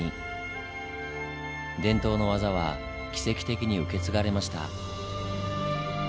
伝統の技は奇跡的に受け継がれました。